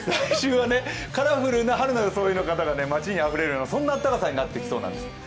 来週はカラフルな装いの方が街にあふれるような、そんな暖かさになってきそうなんです。